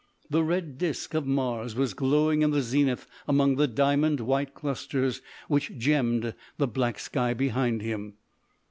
The red disc of Mars was glowing in the zenith among the diamond white clusters which gemmed the black sky behind him.